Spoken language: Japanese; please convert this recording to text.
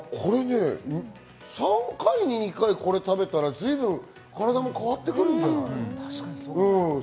３回に２回これ食べたら随分体が変わってくるんじゃないかな。